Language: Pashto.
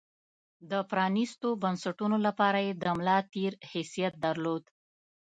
د پرانېستو بنسټونو لپاره یې د ملا تیر حیثیت درلود.